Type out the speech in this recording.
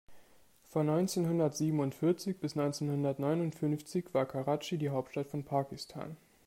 Von neunzehnhundertsiebenundvierzig bis neunzehnhundertneunundfünfzig war Karatschi die Hauptstadt von Pakistan.